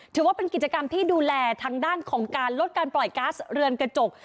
ถือว่าเป็นกิจกรรมที่ดูแลทางด้านของการลดการปล่อยก๊าซเรือนกระจก